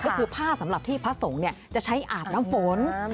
ก็คือผ้าสำหรับที่พระสงฆ์จะใช้อาบน้ำฝน